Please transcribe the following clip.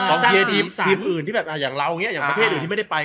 เชียร์ทีมอื่นที่แบบอย่างเราอย่างนี้อย่างประเทศอื่นที่ไม่ได้ไป